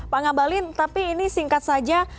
pak ngabalin tapi ini singkat saja